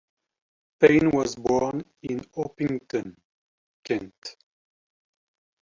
Payne was born in Orpington, Kent.